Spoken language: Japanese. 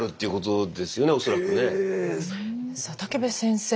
さあ武部先生